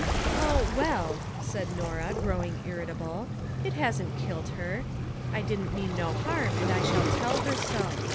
" Oh, well," said Norah, growing irritable, " it hasn't kilt her._ I didn't mean no harm, and I shall tell her so.